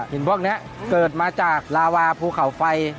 พวกนี้เกิดมาจากลาวาภูเขาไฟ